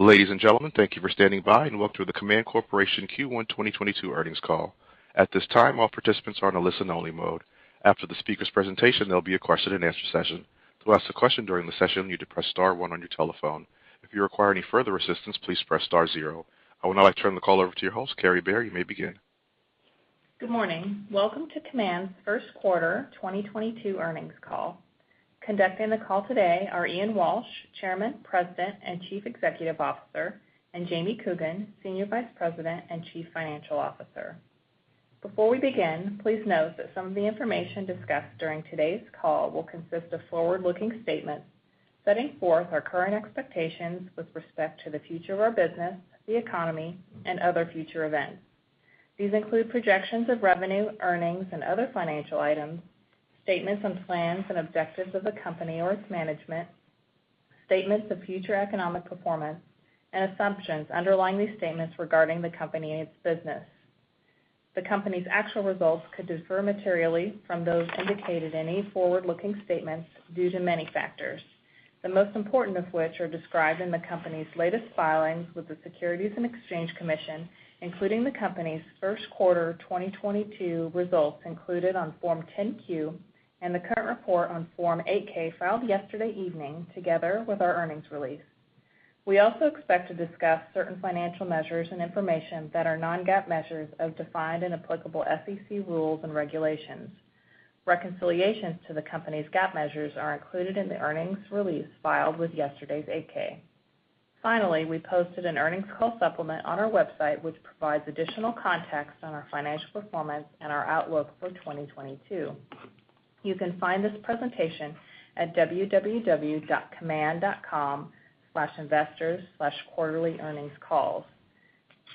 Ladies and gentlemen, thank you for standing by, and welcome to the Kaman Corporation Q1 2022 earnings call. At this time, all participants are on a listen only mode. After the speaker's presentation, there'll be a question and answer session. To ask a question during the session, you need to press star one on your telephone. If you require any further assistance, please press star zero. I would now like to turn the call over to your host, Kary Bare. You may begin. Good morning. Welcome to Kaman's first quarter 2022 earnings call. Conducting the call today are Ian Walsh, Chairman, President, and Chief Executive Officer, and Jamie Coogan, Senior Vice President and Chief Financial Officer. Before we begin, please note that some of the information discussed during today's call will consist of forward-looking statements setting forth our current expectations with respect to the future of our business, the economy, and other future events. These include projections of revenue, earnings and other financial items, statements on plans and objectives of the company or its management, statements of future economic performance, and assumptions underlying these statements regarding the company and its business. The company's actual results could differ materially from those indicated in any forward-looking statements due to many factors, the most important of which are described in the company's latest filings with the Securities and Exchange Commission, including the company's first quarter 2022 results included on Form 10-Q and the current report on Form 8-K filed yesterday evening together with our earnings release. We also expect to discuss certain financial measures and information that are non-GAAP measures as defined in applicable SEC rules and regulations. Reconciliations to the company's GAAP measures are included in the earnings release filed with yesterday's 8-K. Finally, we posted an earnings call supplement on our website which provides additional context on our financial performance and our outlook for 2022. You can find this presentation at www.kaman.com/investors/quarterlyearningscalls.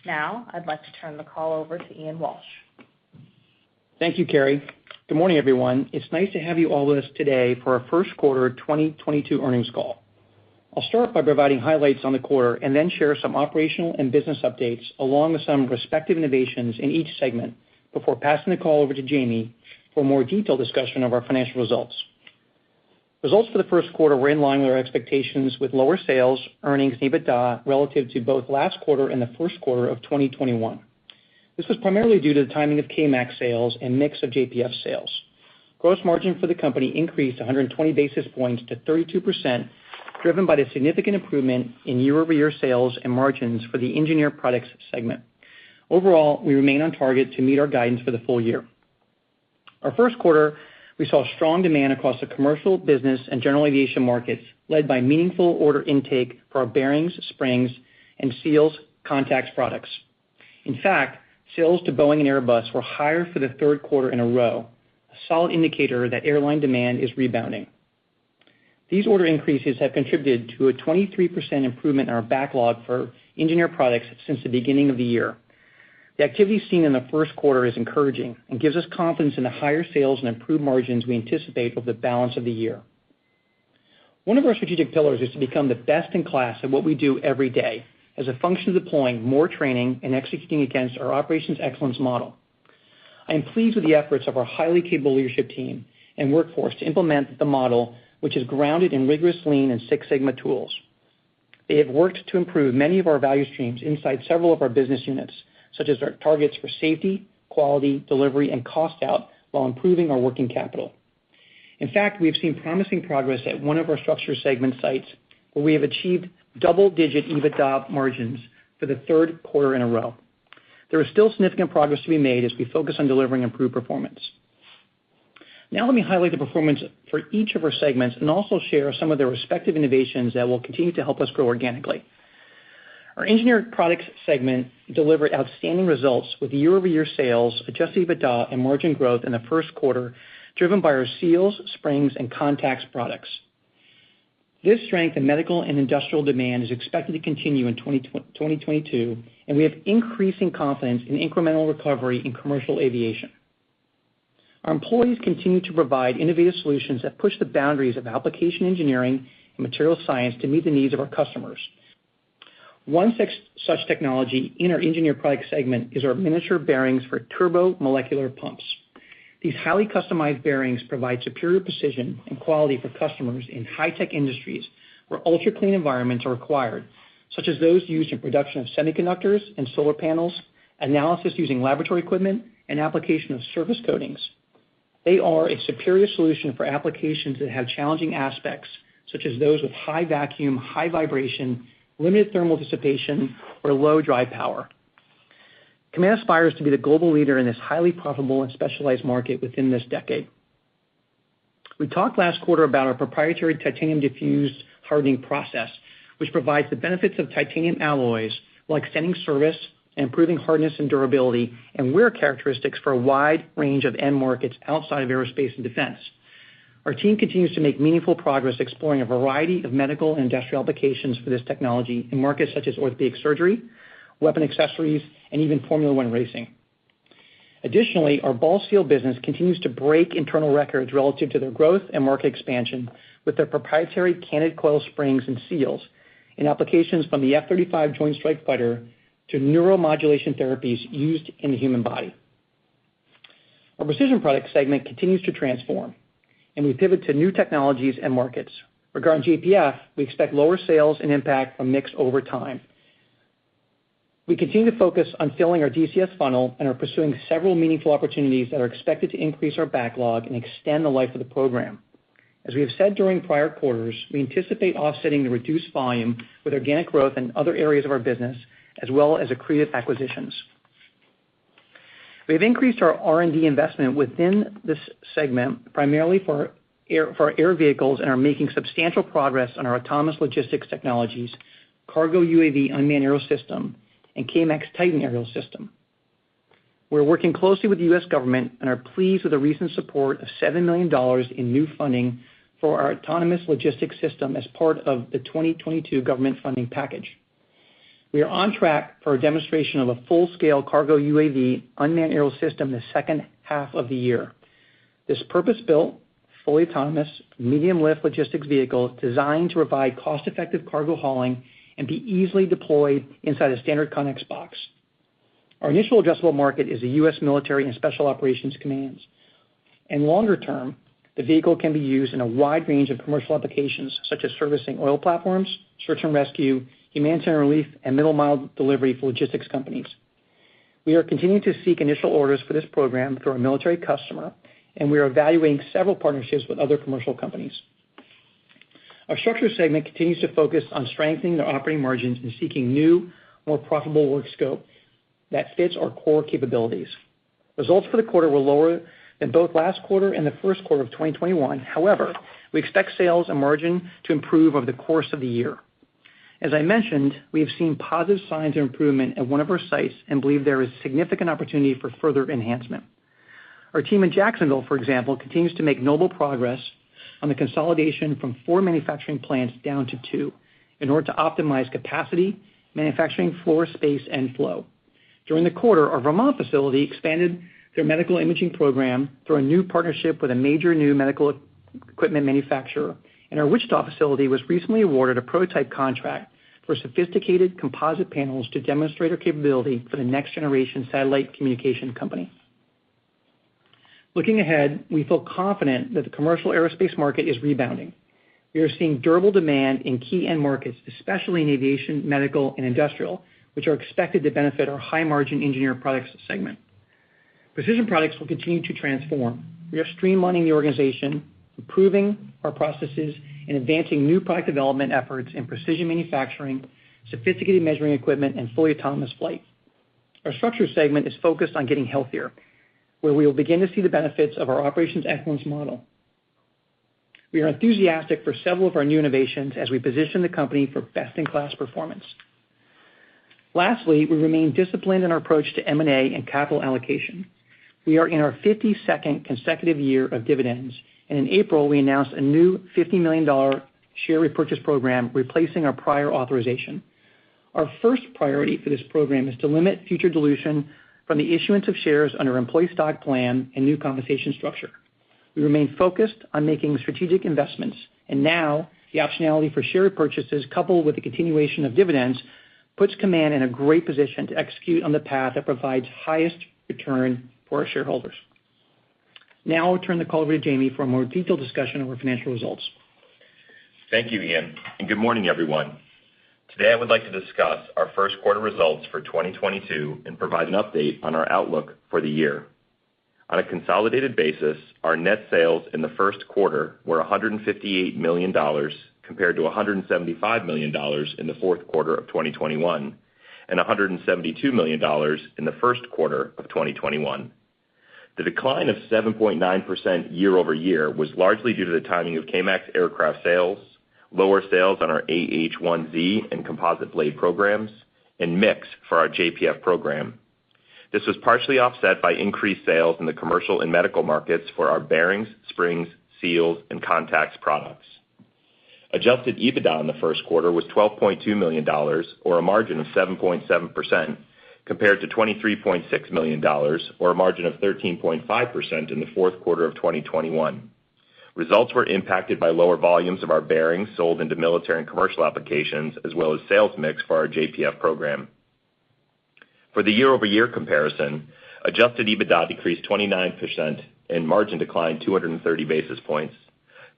Now, I'd like to turn the call over to Ian Walsh. Thank you, Kary. Good morning, everyone. It's nice to have you all with us today for our first quarter 2022 earnings call. I'll start by providing highlights on the quarter and then share some operational and business updates along with some respective innovations in each segment before passing the call over to Jamie for a more detailed discussion of our financial results. Results for the first quarter were in line with our expectations with lower sales, earnings, and EBITDA relative to both last quarter and the first quarter of 2021. This was primarily due to the timing of K-MAX sales and mix of JPF sales. Gross margin for the company increased 120 basis points to 32%, driven by the significant improvement in year-over-year sales and margins for the Engineered Products segment. Overall, we remain on target to meet our guidance for the full year. Our first quarter, we saw strong demand across the commercial business and general aviation markets, led by meaningful order intake for our bearings, springs and seals contacts products. In fact, sales to Boeing and Airbus were higher for the third quarter in a row, a solid indicator that airline demand is rebounding. These order increases have contributed to a 23% improvement in our backlog for Engineered Products since the beginning of the year. The activity seen in the first quarter is encouraging and gives us confidence in the higher sales and improved margins we anticipate over the balance of the year. One of our strategic pillars is to become the best in class at what we do every day as a function of deploying more training and executing against our operations excellence model. I am pleased with the efforts of our highly capable leadership team and workforce to implement the model, which is grounded in rigorous lean and Six Sigma tools. They have worked to improve many of our value streams inside several of our business units, such as our targets for safety, quality, delivery, and cost out while improving our working capital. In fact, we have seen promising progress at one of our Structures segment sites, where we have achieved double-digit EBITDA margins for the third quarter in a row. There is still significant progress to be made as we focus on delivering improved performance. Now let me highlight the performance for each of our segments and also share some of their respective innovations that will continue to help us grow organically. Our Engineered Products segment delivered outstanding results with year-over-year sales, adjusted EBITDA, and margin growth in the first quarter, driven by our seals, springs, and contacts products. This strength in medical and industrial demand is expected to continue in 2022, and we have increasing confidence in incremental recovery in commercial aviation. Our employees continue to provide innovative solutions that push the boundaries of application engineering and material science to meet the needs of our customers. One such technology in our Engineered Products segment is our miniature bearings for turbomolecular pumps. These highly customized bearings provide superior precision and quality for customers in high-tech industries where ultra-clean environments are required, such as those used in production of semiconductors and solar panels, analysis using laboratory equipment, and application of surface coatings. They are a superior solution for applications that have challenging aspects, such as those with high vacuum, high vibration, limited thermal dissipation, or low drive power. Command aspires to be the global leader in this highly profitable and specialized market within this decade. We talked last quarter about our proprietary Titanium Diffusion Hardening process, which provides the benefits of titanium alloys like extending service and improving hardness and durability and wear characteristics for a wide range of end markets outside of aerospace and defense. Our team continues to make meaningful progress exploring a variety of medical and industrial applications for this technology in markets such as orthopedic surgery, weapon accessories, and even Formula One racing. Additionally, our Bal Seal business continues to break internal records relative to their growth and market expansion with their proprietary canted coil spring and seals in applications from the F-35 Joint Strike Fighter to neuromodulation therapies used in the human body. Our Precision Products segment continues to transform, and we pivot to new technologies and markets. Regarding JPF, we expect lower sales and impact from mix over time. We continue to focus on filling our DCS funnel and are pursuing several meaningful opportunities that are expected to increase our backlog and extend the life of the program. As we have said during prior quarters, we anticipate offsetting the reduced volume with organic growth in other areas of our business, as well as accretive acquisitions. We have increased our R&D investment within this segment, primarily for air, for our air vehicles, and are making substantial progress on our autonomous logistics technologies, KARGO UAV unmanned aerial system, and K-MAX TITAN aerial system. We're working closely with the U.S. government and are pleased with the recent support of $7 million in new funding for our autonomous logistics system as part of the 2022 government funding package. We are on track for a demonstration of a full-scale KARGO UAV unmanned aerial system in the second half of the year. This purpose-built, fully autonomous, medium-lift logistics vehicle designed to provide cost-effective cargo hauling and be easily deployed inside a standard CONEX box. Our initial addressable market is the U.S. military and special operations commands. In longer term, the vehicle can be used in a wide range of commercial applications such as servicing oil platforms, search and rescue, humanitarian relief, and middle mile delivery for logistics companies. We are continuing to seek initial orders for this program through our military customer, and we are evaluating several partnerships with other commercial companies. Our Structures segment continues to focus on strengthening their operating margins and seeking new, more profitable work scope that fits our core capabilities. Results for the quarter were lower than both last quarter and the first quarter of 2021. However, we expect sales and margin to improve over the course of the year. As I mentioned, we have seen positive signs of improvement at one of our sites and believe there is significant opportunity for further enhancement. Our team in Jacksonville, for example, continues to make notable progress on the consolidation from four manufacturing plants down to two in order to optimize capacity, manufacturing floor space, and flow. During the quarter, our Vermont facility expanded their medical imaging program through a new partnership with a major new medical equipment manufacturer, and our Wichita facility was recently awarded a prototype contract for sophisticated composite panels to demonstrate our capability for the next generation satellite communication company. Looking ahead, we feel confident that the commercial aerospace market is rebounding. We are seeing durable demand in key end markets, especially in aviation, medical, and industrial, which are expected to benefit our high-margin Engineered Products segment. Precision Products will continue to transform. We are streamlining the organization, improving our processes, and advancing new product development efforts in precision manufacturing, sophisticated measuring equipment, and fully autonomous flight. Our Structures segment is focused on getting healthier, where we will begin to see the benefits of our operational excellence model. We are enthusiastic for several of our new innovations as we position the company for best-in-class performance. Lastly, we remain disciplined in our approach to M&A and capital allocation. We are in our 52nd consecutive year of dividends. In April, we announced a new $50 million share repurchase program, replacing our prior authorization. Our first priority for this program is to limit future dilution from the issuance of shares under employee stock plan and new compensation structure. We remain focused on making strategic investments, and now the optionality for share repurchases, coupled with the continuation of dividends, puts Kaman in a great position to execute on the path that provides highest return for our shareholders. Now I'll turn the call over to Jamie for a more detailed discussion of our financial results. Thank you, Ian, and good morning, everyone. Today, I would like to discuss our first quarter results for 2022 and provide an update on our outlook for the year. On a consolidated basis, our net sales in the first quarter were $158 million compared to $175 million in the fourth quarter of 2021, and $172 million in the first quarter of 2021. The decline of 7.9% year-over-year was largely due to the timing of K-MAX aircraft sales, lower sales on our AH-1Z and composite blade programs, and mix for our JPF program. This was partially offset by increased sales in the commercial and medical markets for our bearings, springs, seals, and contacts products. Adjusted EBITDA in the first quarter was $12.2 million or a margin of 7.7%, compared to $23.6 million or a margin of 13.5% in the fourth quarter of 2021. Results were impacted by lower volumes of our bearings sold into military and commercial applications, as well as sales mix for our JPF program. For the year-over-year comparison, adjusted EBITDA decreased 29% and margin declined 230 basis points.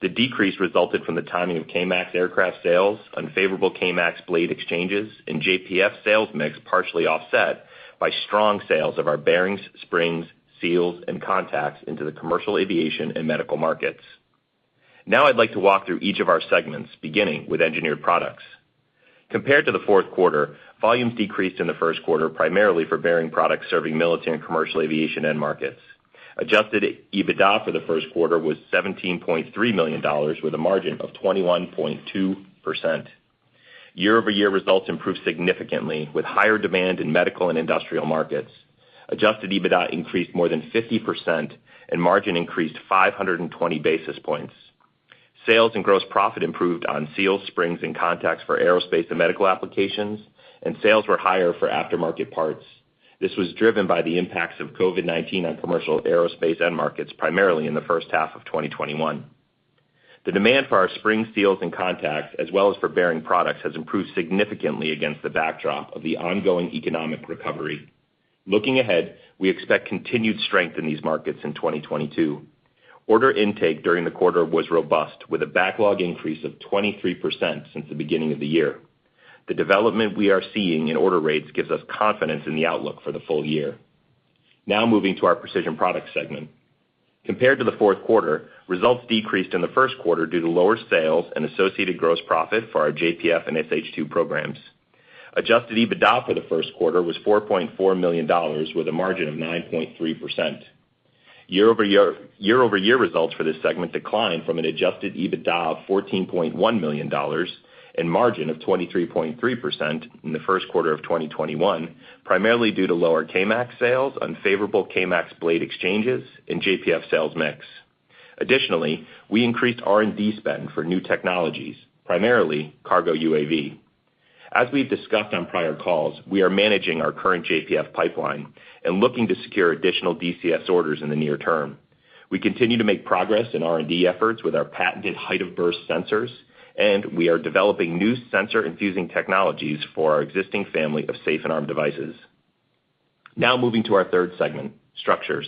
The decrease resulted from the timing of K-MAX aircraft sales, unfavorable K-MAX blade exchanges, and JPF sales mix partially offset by strong sales of our bearings, springs, seals, and contacts into the commercial aviation and medical markets. Now I'd like to walk through each of our segments, beginning with Engineered Products. Compared to the fourth quarter, volumes decreased in the first quarter, primarily for bearing products serving military and commercial aviation end markets. Adjusted EBITDA for the first quarter was $17.3 million with a margin of 21.2%. Year-over-year results improved significantly with higher demand in medical and industrial markets. Adjusted EBITDA increased more than 50%, and margin increased 520 basis points. Sales and gross profit improved on seals, springs, and contacts for aerospace and medical applications, and sales were higher for aftermarket parts. This was driven by the impacts of COVID-19 on commercial aerospace end markets, primarily in the first half of 2021. The demand for our spring seals and contacts, as well as for bearing products, has improved significantly against the backdrop of the ongoing economic recovery. Looking ahead, we expect continued strength in these markets in 2022. Order intake during the quarter was robust, with a backlog increase of 23% since the beginning of the year. The development we are seeing in order rates gives us confidence in the outlook for the full year. Now moving to our Precision Products segment. Compared to the fourth quarter, results decreased in the first quarter due to lower sales and associated gross profit for our JPF and SH2 programs. Adjusted EBITDA for the first quarter was $4.4 million with a margin of 9.3%. Year-over-year results for this segment declined from an adjusted EBITDA of $14.1 million and margin of 23.3% in the first quarter of 2021, primarily due to lower Kmax sales, unfavorable Kmax blade exchanges, and JPF sales mix. Additionally, we increased R&D spend for new technologies, primarily KARGO UAV. As we've discussed on prior calls, we are managing our current JPF pipeline and looking to secure additional DCS orders in the near term. We continue to make progress in R&D efforts with our patented height-of-burst sensors, and we are developing new sensor fusion technologies for our existing family of safe and arm devices. Now moving to our third segment, Structures.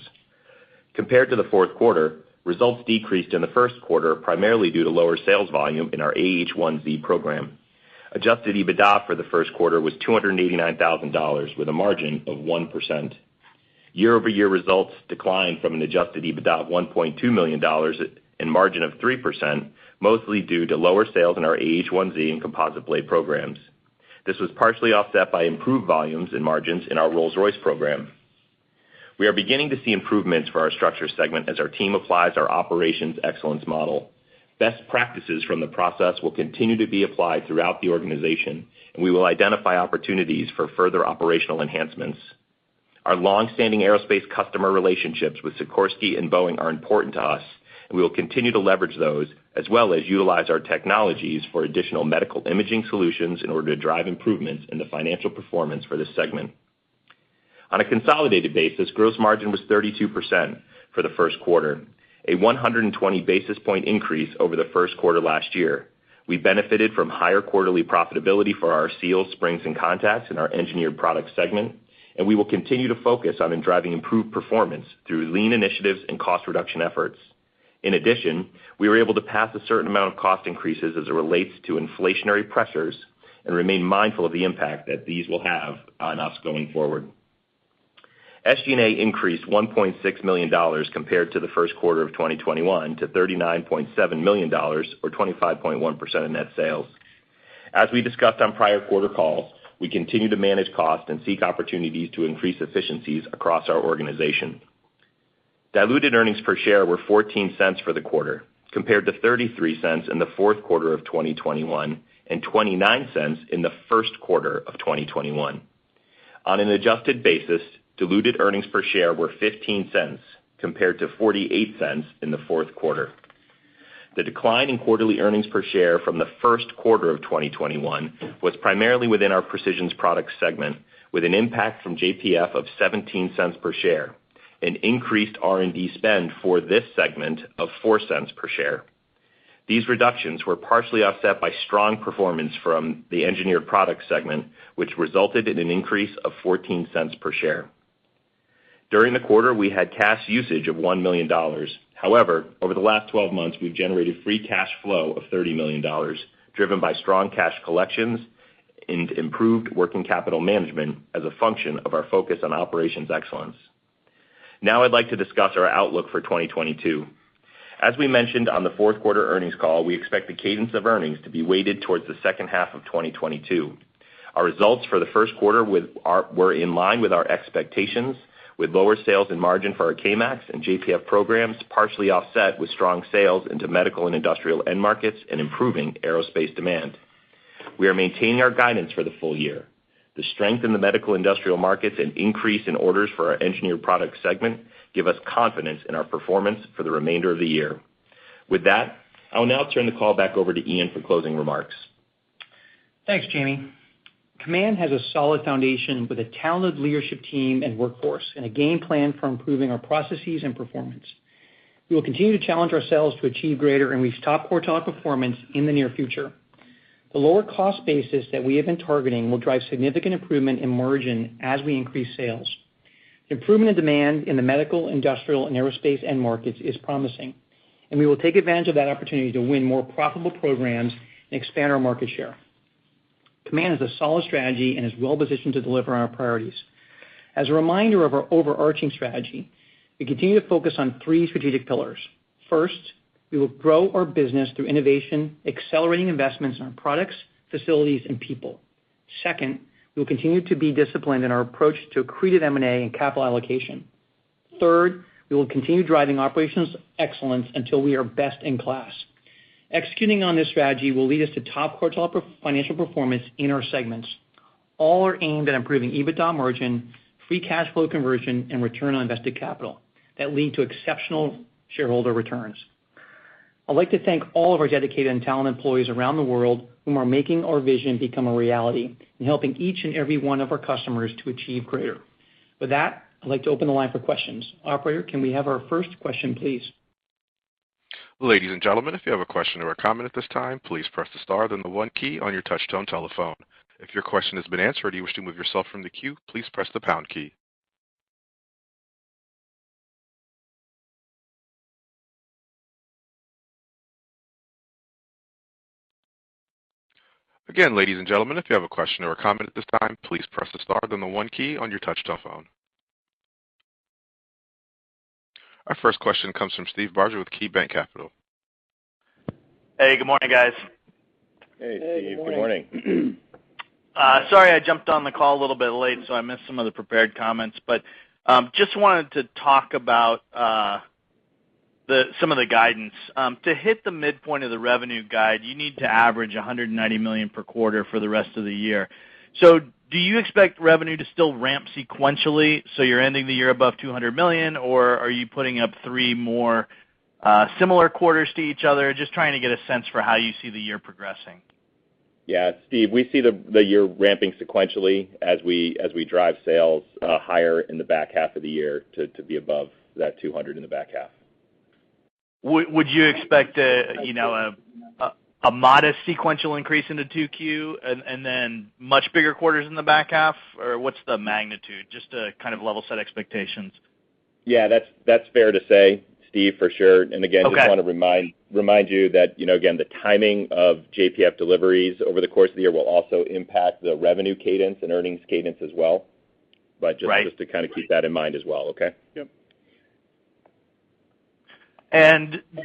Compared to the fourth quarter, results decreased in the first quarter primarily due to lower sales volume in our AH-1Z program. Adjusted EBITDA for the first quarter was $289 thousand with a margin of 1%. Year-over-year results declined from an adjusted EBITDA of $1.2 million and margin of 3%, mostly due to lower sales in our AH-1Z and composite blade programs. This was partially offset by improved volumes and margins in our Rolls-Royce program. We are beginning to see improvements for our Structures segment as our team applies our operations excellence model. Best practices from the process will continue to be applied throughout the organization, and we will identify opportunities for further operational enhancements. Our long-standing aerospace customer relationships with Sikorsky and Boeing are important to us, and we will continue to leverage those as well as utilize our technologies for additional medical imaging solutions in order to drive improvements in the financial performance for this segment. On a consolidated basis, gross margin was 32% for the first quarter, a 120 basis point increase over the first quarter last year. We benefited from higher quarterly profitability for our seals, springs, and contacts in our Engineered Products segment, and we will continue to focus on driving improved performance through lean initiatives and cost reduction efforts. In addition, we were able to pass a certain amount of cost increases as it relates to inflationary pressures and remain mindful of the impact that these will have on us going forward. SG&A increased $1.6 million compared to the first quarter of 2021 to $39.7 million or 25.1% of net sales. As we discussed on prior quarter calls, we continue to manage costs and seek opportunities to increase efficiencies across our organization. Diluted earnings per share were $0.14 for the quarter compared to $0.33 in the fourth quarter of 2021 and $0.29 in the first quarter of 2021. On an adjusted basis, diluted earnings per share were $0.15 compared to $0.48 in the fourth quarter. The decline in quarterly earnings per share from the first quarter of 2021 was primarily within our Precision Products segment, with an impact from JPF of seventeen cents per share and increased R&D spend for this segment of four cents per share. These reductions were partially offset by strong performance from the Engineered Products segment, which resulted in an increase of fourteen cents per share. During the quarter, we had cash usage of $1 million. However, over the last twelve months, we've generated free cash flow of $30 million, driven by strong cash collections and improved working capital management as a function of our focus on operational excellence. Now I'd like to discuss our outlook for 2022. As we mentioned on the fourth quarter earnings call, we expect the cadence of earnings to be weighted towards the second half of 2022. Our results for the first quarter were in line with our expectations, with lower sales and margin for our K-MAX and JPF programs, partially offset with strong sales into medical and industrial end markets and improving aerospace demand. We are maintaining our guidance for the full year. The strength in the medical and industrial markets and increase in orders for our Engineered Products segment give us confidence in our performance for the remainder of the year. With that, I'll now turn the call back over to Ian for closing remarks. Thanks, Jamie. Kaman has a solid foundation with a talented leadership team and workforce and a game plan for improving our processes and performance. We will continue to challenge ourselves to achieve greater and reach top quartile performance in the near future. The lower cost basis that we have been targeting will drive significant improvement in margin as we increase sales. The improvement in demand in the medical, industrial, and aerospace end markets is promising, and we will take advantage of that opportunity to win more profitable programs and expand our market share. Kaman has a solid strategy and is well-positioned to deliver on our priorities. As a reminder of our overarching strategy, we continue to focus on three strategic pillars. First, we will grow our business through innovation, accelerating investments in our products, facilities, and people. Second, we will continue to be disciplined in our approach to accretive M&A and capital allocation. Third, we will continue driving operations excellence until we are best in class. Executing on this strategy will lead us to top quartile peer financial performance in our segments. All are aimed at improving EBITDA margin, free cash flow conversion, and return on invested capital that lead to exceptional shareholder returns. I'd like to thank all of our dedicated and talented employees around the world who are making our vision become a reality and helping each and every one of our customers to achieve greater. With that, I'd like to open the line for questions. Operator, can we have our first question, please? Ladies and gentlemen, if you have a question or a comment at this time, please press the star, then the one key on your touchtone telephone. If your question has been answered, or you wish to move yourself from the queue, please press the pound key. Again, ladies and gentlemen, if you have a question or a comment at this time, please press the star, then the one key on your touchtone phone. Our first question comes from Steve Barger with KeyBanc Capital Markets. Hey, good morning, guys. Hey, Steve. Good morning. Good morning. Sorry, I jumped on the call a little bit late, so I missed some of the prepared comments. Just wanted to talk about some of the guidance. To hit the midpoint of the revenue guide, you need to average $190 million per quarter for the rest of the year. Do you expect revenue to still ramp sequentially, so you're ending the year above $200 million? Or are you putting up three more similar quarters to each other? Just trying to get a sense for how you see the year progressing. Yeah. Steve, we see the year ramping sequentially as we drive sales higher in the back half of the year to be above that $200 in the back half. Would you expect, you know, a modest sequential increase into 2Q, and then much bigger quarters in the back half? Or what's the magnitude? Just to kind of level set expectations. Yeah, that's fair to say, Steve, for sure. Okay. Again, just wanna remind you that, you know, again, the timing of JPF deliveries over the course of the year will also impact the revenue cadence and earnings cadence as well. Right. Just to kind of keep that in mind as well, okay? Yep.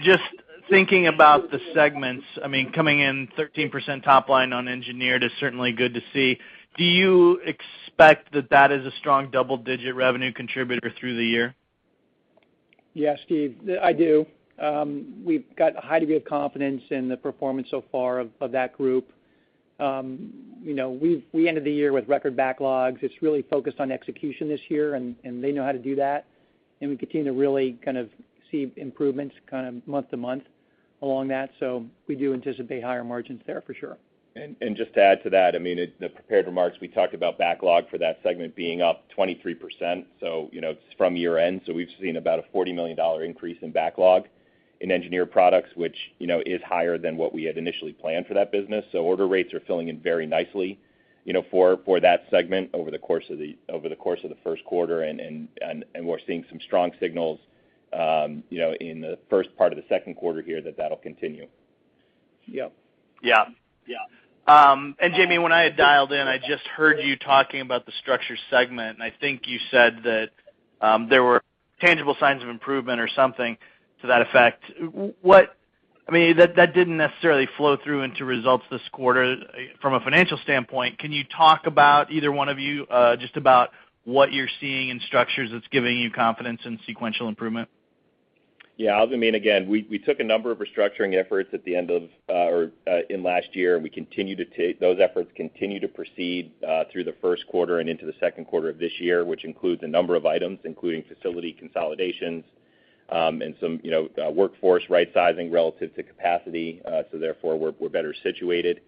Just thinking about the segments, I mean, coming in 13% top line on engineered is certainly good to see. Do you expect that is a strong double-digit revenue contributor through the year? Yes, Steve, I do. We've got a high degree of confidence in the performance so far of that group. You know, we ended the year with record backlogs. It's really focused on execution this year, and they know how to do that. We continue to really kind of see improvements kind of month-to-month along that. We do anticipate higher margins there for sure. Just to add to that, I mean, in the prepared remarks, we talked about backlog for that segment being up 23%, you know, it's from year-end. We've seen about a $40 million increase in backlog in Engineered Products, which, you know, is higher than what we had initially planned for that business. Order rates are filling in very nicely, you know, for that segment over the course of the first quarter, and we're seeing some strong signals, you know, in the first part of the second quarter here that that'll continue. Yep. Yeah. Yeah. Jamie, when I had dialed in, I just heard you talking about the Structures segment, and I think you said that there were tangible signs of improvement or something to that effect. I mean, that didn't necessarily flow through into results this quarter from a financial standpoint. Can you talk about, either one of you, just about what you're seeing in Structures that's giving you confidence in sequential improvement? Yeah. I mean, again, we took a number of restructuring efforts in last year, and those efforts continue to proceed through the first quarter and into the second quarter of this year, which includes a number of items, including facility consolidations, and some, you know, workforce rightsizing relative to capacity. So therefore, we're better situated.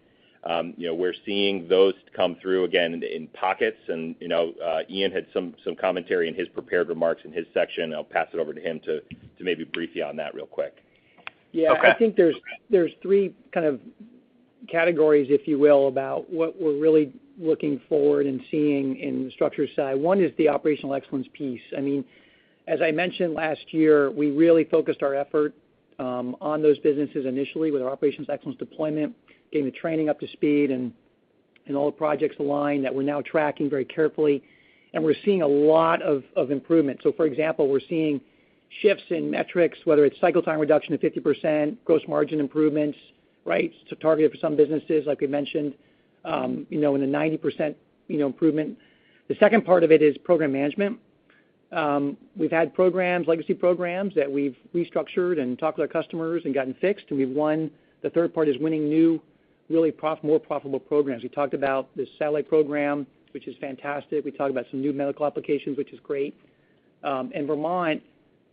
You know, we're seeing those come through again in pockets and, you know, Ian had some commentary in his prepared remarks in his section. I'll pass it over to him to maybe brief you on that real quick. Okay. Yeah. I think there's three kind of categories, if you will, about what we're really looking forward and seeing in the Structures side. One is the operational excellence piece. I mean, as I mentioned last year, we really focused our effort on those businesses initially with our operational excellence deployment, getting the training up to speed and all the projects aligned that we're now tracking very carefully. We're seeing a lot of improvement. For example, we're seeing shifts in metrics, whether it's cycle time reduction of 50%, gross margin improvements, right, so targeted for some businesses like we mentioned, you know, in the 90%, you know, improvement. The second part of it is program management. We've had programs, legacy programs, that we've restructured and talked to our customers and gotten fixed, and we've won. The third part is winning new, more profitable programs. We talked about the satellite program, which is fantastic. We talked about some new medical applications, which is great. Vermont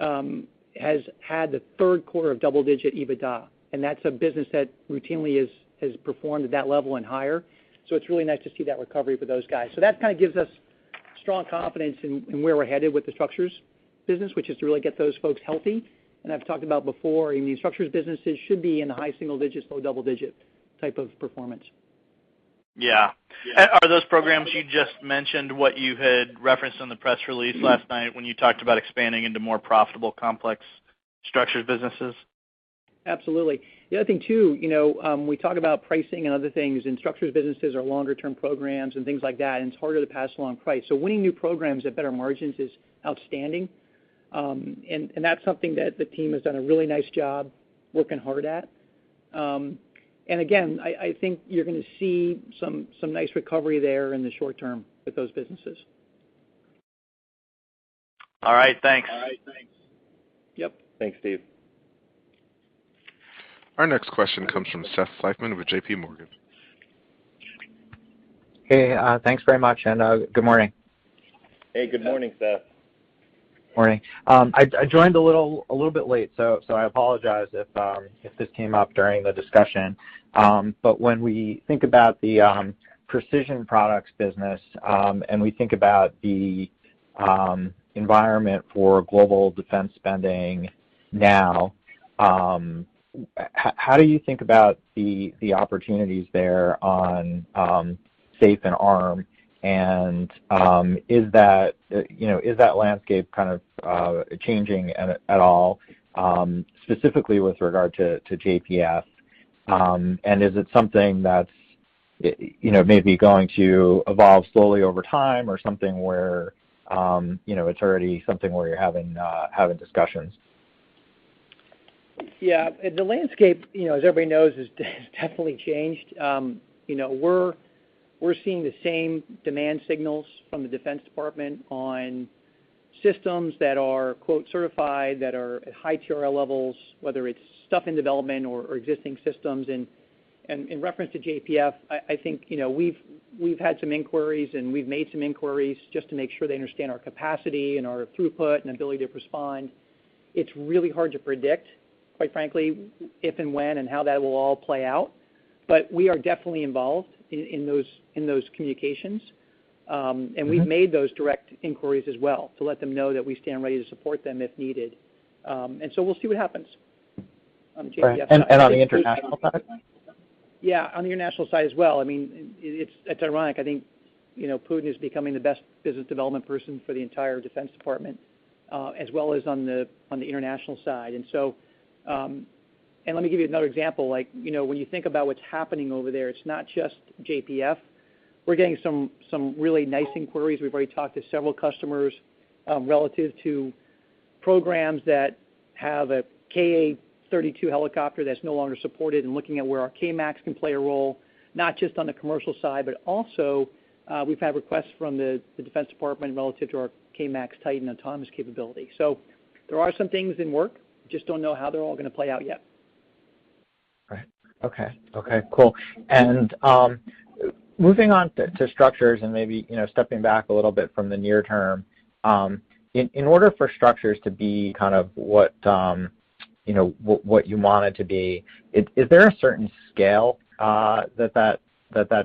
has had the third quarter of double-digit EBITDA, and that's a business that routinely has performed at that level and higher. It's really nice to see that recovery for those guys. That kind of gives us strong confidence in where we're headed with the Structures business, which is to really get those folks healthy. I've talked about before, I mean, Structures businesses should be in the high single digits, low double-digit type of performance. Yeah. Are those programs you just mentioned what you had referenced on the press release last night when you talked about expanding into more profitable, complex structured businesses? Absolutely. The other thing too, you know, we talk about pricing and other things, and Structures businesses are longer term programs and things like that, and it's harder to pass along price. Winning new programs at better margins is outstanding, and that's something that the team has done a really nice job working hard at. Again, I think you're gonna see some nice recovery there in the short term with those businesses. All right. Thanks. All right. Thanks. Yep. Thanks, Steve. Our next question comes from Seth Seifman with JP Morgan. Hey, thanks very much. Good morning. Hey, good morning, Seth. Morning. I joined a little bit late, so I apologize if this came up during the discussion. But when we think about the Precision Products business, and we think about the environment for global defense spending now, how do you think about the opportunities there on safe and arm? Is that, you know, is that landscape kind of changing at all, specifically with regard to JPF? Is it something that's, you know, maybe going to evolve slowly over time or something where, you know, it's already something where you're having discussions? Yeah. The landscape, you know, as everybody knows, has definitely changed. You know, we're seeing the same demand signals from the Department of Defense on systems that are, quote, "certified," that are at high TRL levels, whether it's stuff in development or existing systems. In reference to JPF, I think, you know, we've had some inquiries, and we've made some inquiries just to make sure they understand our capacity and our throughput and ability to respond. It's really hard to predict, quite frankly, if and when and how that will all play out. We are definitely involved in those communications. We've made those direct inquiries as well to let them know that we stand ready to support them if needed. We'll see what happens on JPF. On the international side? Yeah, on the international side as well. I mean, it's ironic. I think, you know, Putin is becoming the best business development person for the entire Department of Defense, as well as on the international side. Let me give you another example. Like, you know, when you think about what's happening over there, it's not just JPF. We're getting some really nice inquiries. We've already talked to several customers relative to programs that have a Ka-32 helicopter that's no longer supported and looking at where our K-MAX can play a role, not just on the commercial side, but also, we've had requests from the Department of Defense relative to our K-MAX TITAN autonomous capability. So there are some things in work. Just don't know how they're all gonna play out yet. Right. Okay, cool. Moving on to Structures and maybe, you know, stepping back a little bit from the near term, in order for Structures to be kind of what you know what you want it to be, is there a certain scale that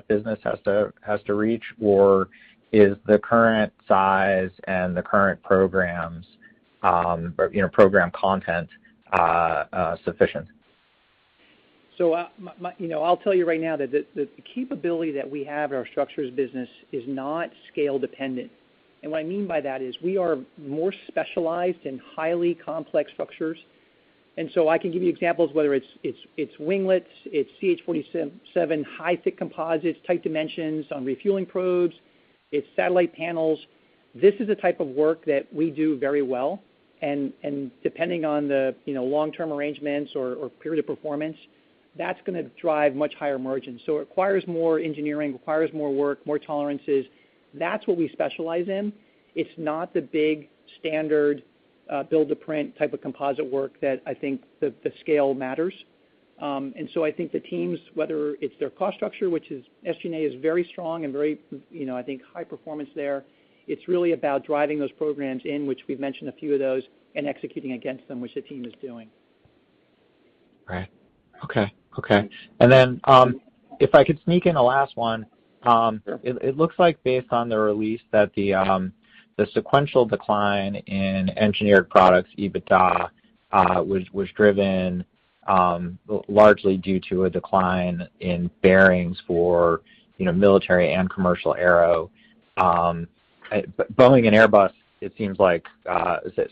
business has to reach, or is the current size and the current programs or, you know, program content sufficient? You know, I'll tell you right now that the capability that we have in our Structures business is not scale dependent. What I mean by that is we are more specialized in highly complex structures. I can give you examples, whether it's winglets, it's CH-47 high thick composites, tight dimensions on refueling probes, it's satellite panels. This is the type of work that we do very well. Depending on you know, long-term arrangements or period of performance, that's gonna drive much higher margins. It requires more engineering, requires more work, more tolerances. That's what we specialize in. It's not the big standard, build-to-print type of composite work that I think the scale matters. I think the teams, whether it's their cost structure, which is SG&A, is very strong and very, you know, I think high performance there. It's really about driving those programs in which we've mentioned a few of those and executing against them, which the team is doing. If I could sneak in a last one. It looks like based on the release that the sequential decline in Engineered Products EBITDA was driven largely due to a decline in bearings for, you know, military and commercial aero. But Boeing and Airbus, it seems like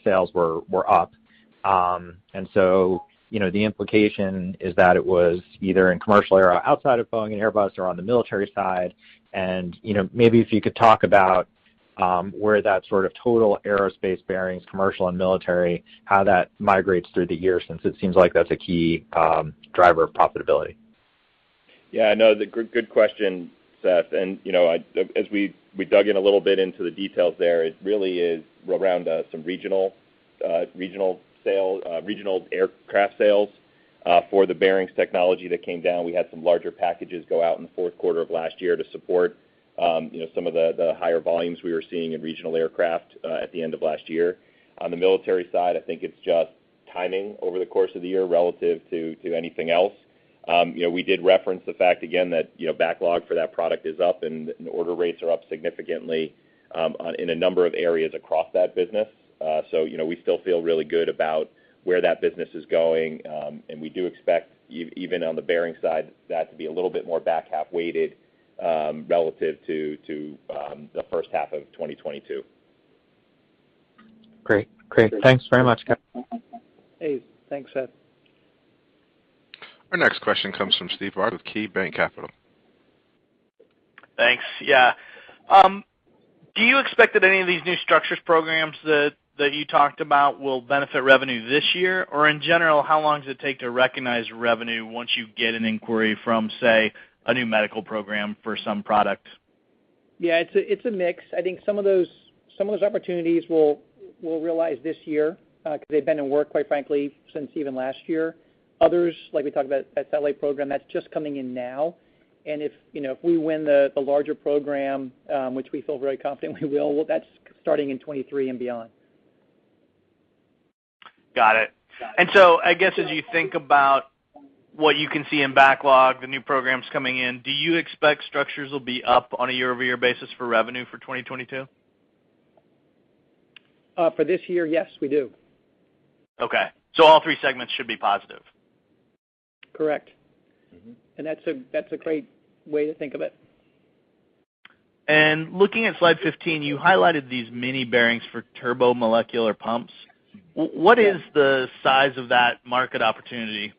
sales were up. You know, the implication is that it was either in commercial aero outside of Boeing and Airbus or on the military side. You know, maybe if you could talk about where that sort of total aerospace bearings, commercial and military, how that migrates through the year since it seems like that's a key driver of profitability. Yeah, no, good question, Seth. You know, as we dug in a little bit into the details there, it really is around some regional aircraft sales for the bearings technology that came down. We had some larger packages go out in the fourth quarter of last year to support, you know, some of the higher volumes we were seeing in regional aircraft at the end of last year. On the military side, I think it's just timing over the course of the year relative to anything else. You know, we did reference the fact again that, you know, backlog for that product is up and order rates are up significantly in a number of areas across that business. you know, we still feel really good about where that business is going, and we do expect even on the bearing side, that to be a little bit more back half weighted, relative to the first half of 2022. Great. Thanks very much. Hey, thanks, Seth. Our next question comes from Steve Barger of KeyBanc Capital. Thanks. Yeah. Do you expect that any of these new Structures programs that you talked about will benefit revenue this year? Or in general, how long does it take to recognize revenue once you get an inquiry from, say, a new medical program for some products? Yeah, it's a mix. I think some of those opportunities we'll realize this year, 'cause they've been in the works, quite frankly, since even last year. Others, like we talked about that satellite program, that's just coming in now. If you know, if we win the larger program, which we feel very confident we will, well, that's starting in 2023 and beyond. Got it. I guess, as you think about what you can see in backlog, the new programs coming in, do you expect Structures will be up on a year-over-year basis for revenue for 2022? For this year, yes, we do. Okay. All three segments should be positive. Correct. Mm-hmm. That's a great way to think of it. Looking at slide 15, you highlighted these mini bearings for turbomolecular pumps. What is the size of that market opportunity?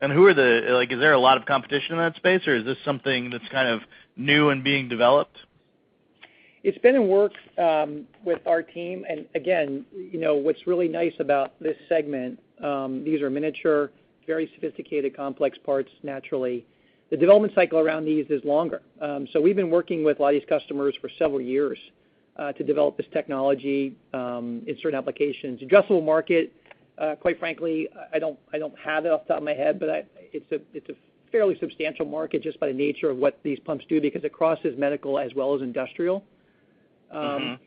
Like, is there a lot of competition in that space, or is this something that's kind of new and being developed? It's been in the works with our team. Again, you know, what's really nice about this segment, these are miniature, very sophisticated, complex parts, naturally. The development cycle around these is longer. So we've been working with a lot of these customers for several years to develop this technology in certain applications. Addressable market, quite frankly, I don't have it off the top of my head, but it's a fairly substantial market just by the nature of what these pumps do because it crosses medical as well as industrial. Mm-hmm.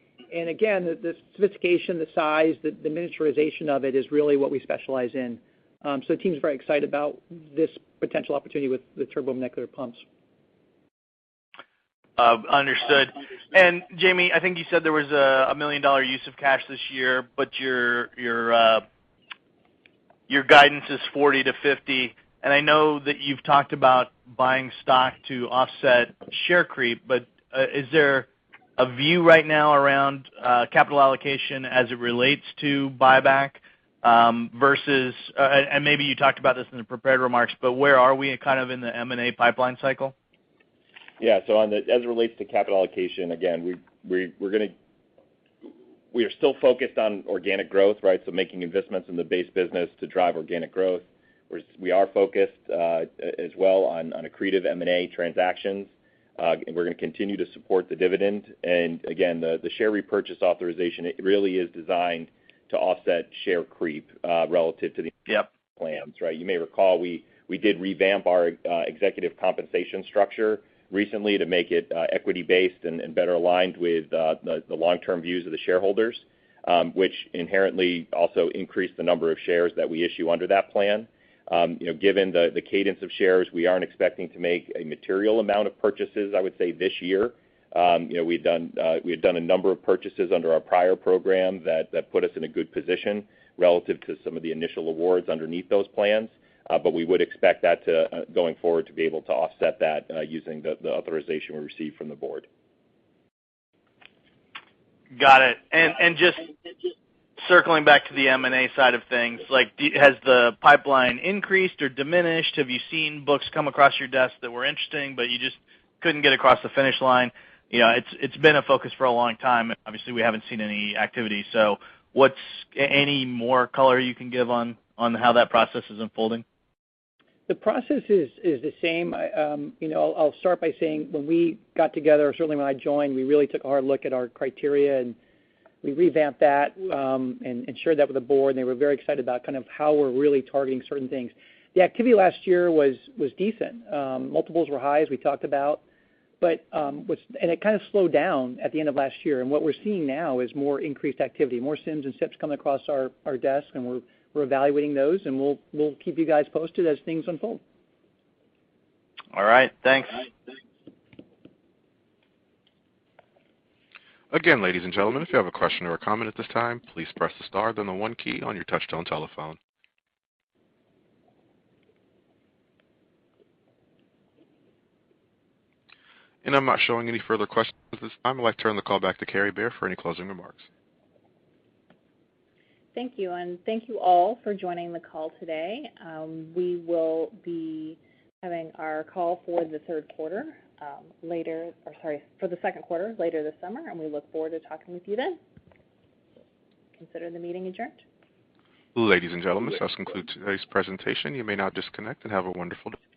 Again, the sophistication, the size, the miniaturization of it is really what we specialize in. The team is very excited about this potential opportunity with the turbo molecular pumps. Jamie, I think you said there was a $1 million use of cash this year, but your guidance is $40 million-$50 million, and I know that you've talked about buying stock to offset share creep. Is there a view right now around capital allocation as it relates to buyback versus and maybe you talked about this in the prepared remarks, where are we at kind of in the M&A pipeline cycle? Yeah. As it relates to capital allocation, again, we are still focused on organic growth, right? Making investments in the base business to drive organic growth. We are focused as well on accretive M&A transactions. We're gonna continue to support the dividend. Again, the share repurchase authorization, it really is designed to offset share creep relative to the- Yep. Plans, right? You may recall, we did revamp our executive compensation structure recently to make it equity-based and better aligned with the long-term views of the shareholders, which inherently also increased the number of shares that we issue under that plan. You know, given the cadence of shares, we aren't expecting to make a material amount of purchases, I would say, this year. You know, we had done a number of purchases under our prior program that put us in a good position relative to some of the initial awards underneath those plans. We would expect that, going forward, to be able to offset that using the authorization we received from the board. Got it. Just circling back to the M&A side of things, like has the pipeline increased or diminished? Have you seen books come across your desk that were interesting, but you just couldn't get across the finish line? You know, it's been a focus for a long time. Obviously, we haven't seen any activity. What's any more color you can give on how that process is unfolding? The process is the same. You know, I'll start by saying when we got together, certainly when I joined, we really took a hard look at our criteria, and we revamped that, and shared that with the board, and they were very excited about kind of how we're really targeting certain things. The activity last year was decent. Multiples were high, as we talked about, but it kind of slowed down at the end of last year. What we're seeing now is more increased activity, more CIMs and CIPs coming across our desk, and we're evaluating those, and we'll keep you guys posted as things unfold. All right. Thanks. Again, ladies and gentlemen, if you have a question or a comment at this time, please press the star then the one key on your touchtone telephone. I'm not showing any further questions at this time. I'd like to turn the call back to Kary Bare for any closing remarks. Thank you. Thank you all for joining the call today. We will be having our call for the second quarter later this summer, and we look forward to talking with you then. Consider the meeting adjourned. Ladies and gentlemen, this does conclude today's presentation. You may now disconnect and have a wonderful day.